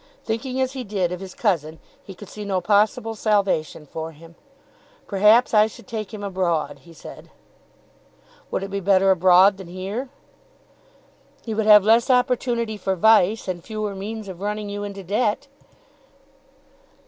Thinking as he did of his cousin he could see no possible salvation for him. "Perhaps I should take him abroad," he said. "Would he be better abroad than here?" "He would have less opportunity for vice, and fewer means of running you into debt."